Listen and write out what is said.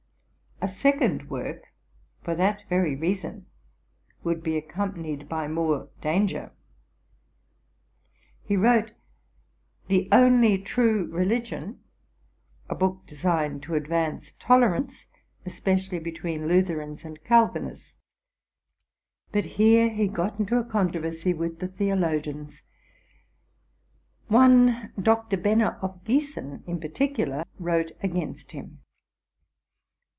A second work, for that very reason, would be accompanied by more danger. He wrote '' The Only True Religion,'? a book designed to advance tolerance, especially between Lutherans and Caivinists. But here he got in a controversy with the theologians: one Dr. Benner of Giessen, in particular, wrote against him.